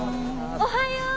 おはよう！